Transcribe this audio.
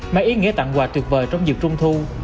mang ý nghĩa tặng quà tuyệt vời trong dịp trung thu